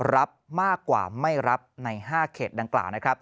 รับมากกว่าไม่รับใน๕เขตดังกล่าวนะครับ